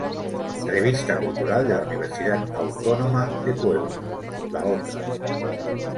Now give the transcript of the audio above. Revista Cultural de la Universidad Autónoma de Puebla", "La Otra.